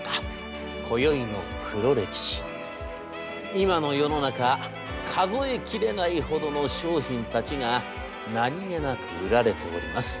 今の世の中数えきれないほどの商品たちが何気なく売られております。